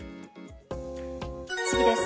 次です。